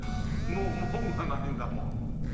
門がないんだもん。